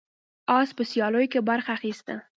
اس په سیالیو کې برخه اخیسته.